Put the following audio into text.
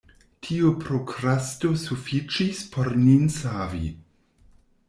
Tiu prokrasto sufiĉis por nin savi.